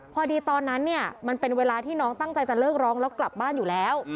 ตอนนั้นเนี่ยมันเป็นเวลาที่น้องตั้งใจจะเลิกร้องแล้วกลับบ้านอยู่แล้ว